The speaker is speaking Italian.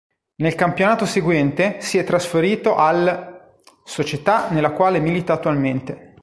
Nel campionato seguente si è trasferito all', società nella quale milita attualmente.